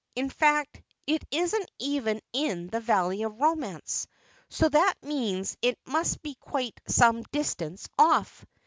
In fact, it isn't even in the Valley of Romance, so that means it must be quite some distance off.